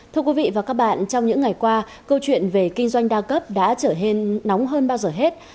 thưa quý vị và các bạn trong những ngày qua câu chuyện về kinh doanh đa cấp đã trở nên nóng hơn bao giờ hết